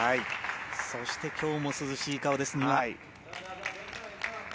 そして、今日も涼しい顔です、丹羽。